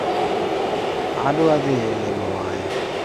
Adwa dhi limo waya.